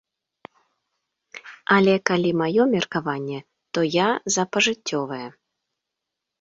Але калі маё меркаванне, то я за пажыццёвае.